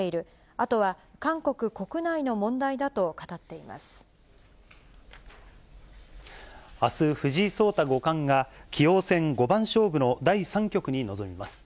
あとは韓国国内の問題だと語ってあす、藤井聡太五冠が棋王戦五番勝負の第３局に臨みます。